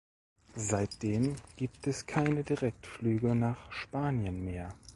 Seitdem gibt es keine Direktflüge nach Spanien mehr.